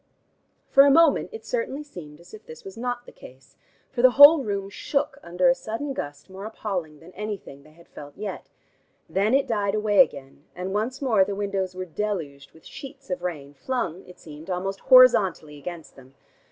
For the moment it certainly seemed as if this was not the case, for the whole room shook under a sudden gust more appalling than anything they had felt yet. Then it died away again, and once more the windows were deluged with sheets of rain flung, it seemed, almost horizontally against them.